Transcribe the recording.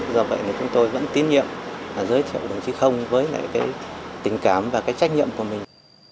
do vậy thì chúng tôi vẫn tín nhiệm giới thiệu đồng chí không với lại cái tình cảm và cái trách nhiệm của mình